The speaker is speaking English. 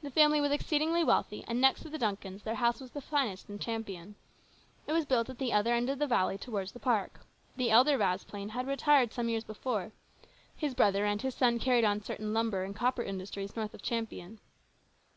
The family was exceedingly wealthy, and next to the Duncans', their house was the finest in Champion. It was built at the other end of the valley towards the park. The elder Vasplaine had retired some AN EXCITING TIME. 137 years before. His brother and his son carried on certain lumber and copper industries north of Champion.